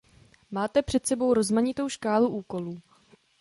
Máte před sebou rozmanitou škálu úkolů.